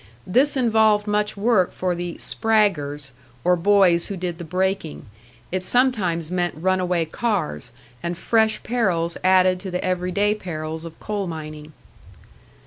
This involved much work for the "spraggers," or boys who did the braking; it sometimes meant run away cars, and fresh perils added to the everyday perils of coal mining.